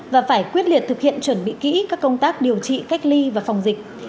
và phải quyết liệt thực hiện chuẩn bị kỹ các công tác điều trị cách ly và phòng dịch